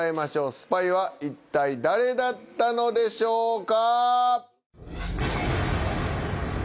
スパイは一体誰だったのでしょうか。